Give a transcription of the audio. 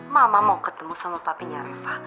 mama mau ketemu sama papinya reva